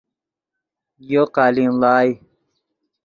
یو قالین ڑائے